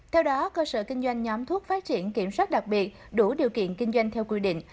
theo đó cơ sở kinh doanh nhóm thuốc phát triển kiểm soát đặc biệt đủ điều kiện kinh doanh theo quy định